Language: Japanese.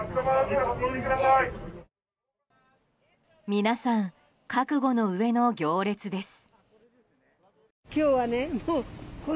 皆さん覚悟のうえの行列です。